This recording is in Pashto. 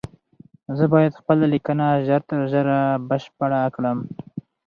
زه بايد خپله ليکنه ژر تر ژره بشپړه کړم